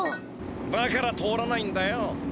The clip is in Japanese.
だから通らないんだよ。